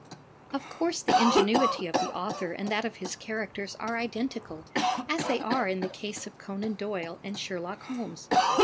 Of course the ingenuity of the author and that of his char DETECTIVE STORIES 63 acter are identical, as they are in the case of Conan Doyle and Sherlock Holmes.